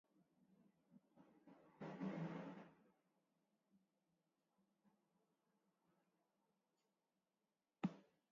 Tarteka, malutaren bat ager liteke azken orduan.